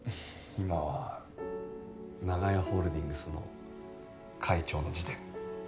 今は長屋ホールディングスの会長の自伝。